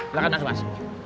silahkan mas mas